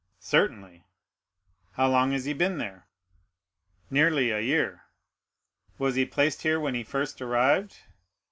"Certainly." "How long has he been there?" "Nearly a year." "Was he placed here when he first arrived?"